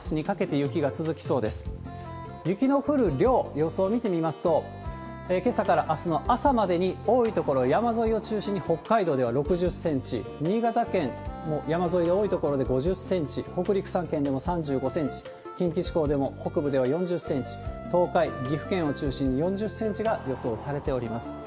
雪の降る量、予想を見てみますと、けさからあすの朝までに、多い所、山沿いを中心に北海道では６０センチ、新潟県も山沿いで多い所で５０センチ、北陸３県でも３５センチ、近畿地方でも北部では４０センチ、東海、岐阜県を中心に４０センチが予想されております。